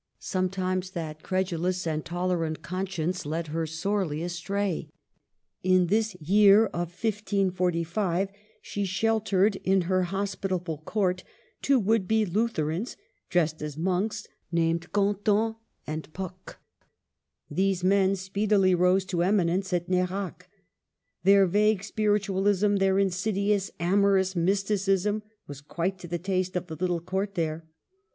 Sometimes that credulous and tolerant conscience led her sorely astray. In this year of 1545 she shel tered in her hospitable Court two would be Lu therans, dressed as monks, named Quentin and Pocques. These men speedily rose to eminence at Nerac. Their vague spiritualism, their insid ious, amorous mysticism, was quite to the taste of the little Court there.